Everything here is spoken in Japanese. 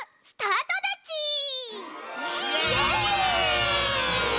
イエーイ！